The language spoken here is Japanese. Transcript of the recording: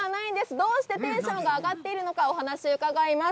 どうしてテンションが上がっているのか、お話を伺います。